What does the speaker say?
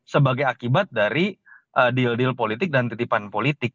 sebagai akibat dari deal deal politik dan titipan politik